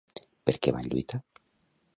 Per què van lluitar?